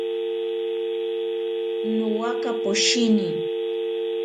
Nowaka poshini.